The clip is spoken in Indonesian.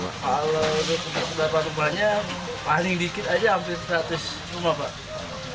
kalau berapa rumahnya paling dikit aja hampir seratus rumah pak